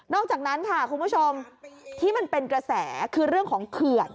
อกจากนั้นค่ะคุณผู้ชมที่มันเป็นกระแสคือเรื่องของเขื่อน